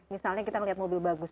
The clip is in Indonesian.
misalnya kita ngelihat mobil bagus juga